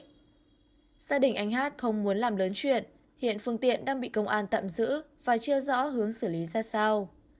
gia đình anh hát không muốn làm lớn chuyện hiện phương tiện đang bị công an tạm giữ và chưa rõ hướng xử lý ra sao